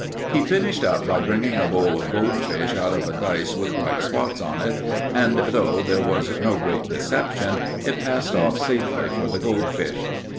He finished up by bringing a bowl of goldfish out of a dice with white spots on it, and, though there was no great deception, it passed off safely for the goldfish.